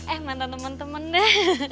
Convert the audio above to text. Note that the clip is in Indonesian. eh mantan teman teman deh